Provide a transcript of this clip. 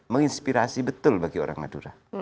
menginspirasi betul bagi orang madura